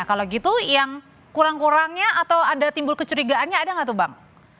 kalau gitu yang kurang kurangnya atau ada timbul kecurigaannya ada nggak tuh bang